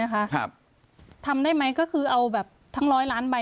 ทำได้ไหมก็คือเอาแบบทั้ง๑๐๐ล้านใบ